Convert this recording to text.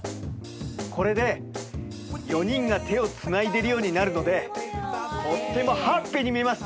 これで４人が手をつないでるようになるのでとってもハッピーに見えます。